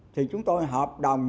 thì chúng tôi hợp đồng